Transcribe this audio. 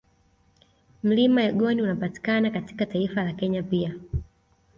Mlima Elgoni unapatiakana katika taifa la Kenya pia